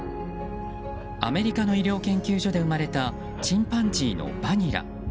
アメリカの医療研究所で生まれたチンパンジーのバニラ。